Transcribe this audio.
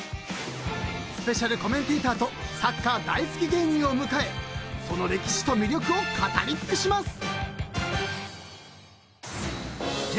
［スペシャルコメンテーターとサッカー大好き芸人を迎えその歴史と魅力を語り尽くします］